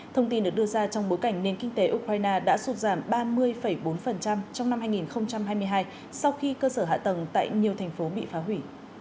thông tin được đưa ra trong bối cảnh nền kinh tế ukraine đã sụt giảm ba mươi bốn trong năm hai nghìn hai mươi hai sau khi cơ sở hạ tầng tại nhiều thành phố bị phá hủy